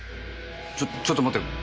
ちょっちょっと待てよ。